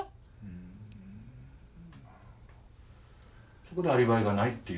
そこでアリバイがないっていう。